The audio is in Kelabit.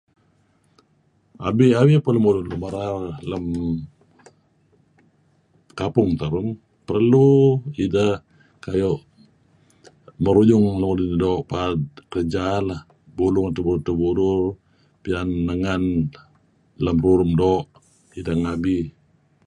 Abi-abi peh lemulun nuk merar lem kampung terun perlu ideh kayu' meruyung lemulun nuk doo' paad kerja lah, buluh ngen edtah burur edtah burur, piyan nengan lem rurum doo' ideh ngabi.